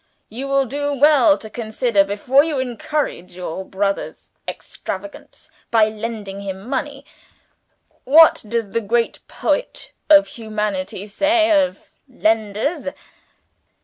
You will do well to consider, before you encourage your brother's extravagance by lending him money. What does the great poet of humanity say of lenders?